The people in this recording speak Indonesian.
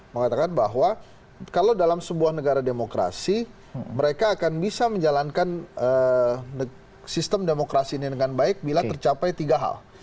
mengatakan bahwa kalau dalam sebuah negara demokrasi mereka akan bisa menjalankan sistem demokrasi ini dengan baik bila tercapai tiga hal